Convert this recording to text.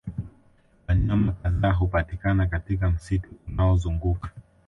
Wanyama kadhaa hupatikana katika msitu unaozunguka